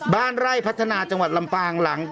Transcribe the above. บ้านไร่พัฒนาจังหวัดลำปางหลัง